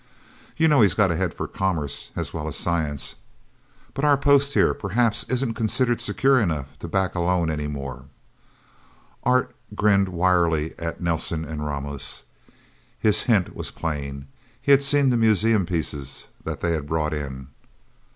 You know he's got a head for commerce as well as science. But our post, here, perhaps isn't considered secure enough to back a loan, anymore." Art grinned wryly at Nelsen and Ramos. His hint was plain. He had seen the museum pieces that they had brought in.